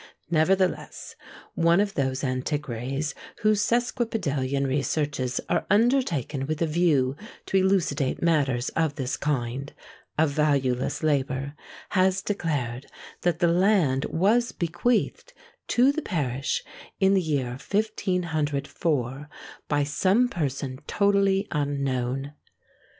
Nevertheless, one of those antiquaries whose sesquipedalian researches are undertaken with a view to elucidate matters of this kind,—a valueless labour,—has declared that the land was bequeathed to the parish, in the year 1504, by some person totally unknown.